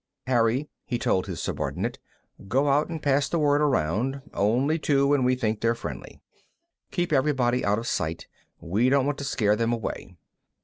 Harry," he told his subordinate, "go out and pass the word around. Only two, and we think they're friendly. Keep everybody out of sight; we don't want to scare them away."